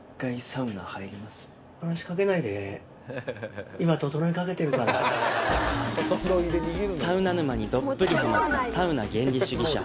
サウナ沼にどっぷりハマったサウナ原理主義者